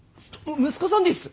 息子さんでいいっす！